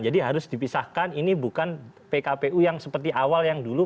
jadi harus dipisahkan ini bukan pkpu yang seperti awal yang dulu